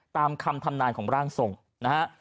ตามคำทำนายของร่างทรงนะฮะ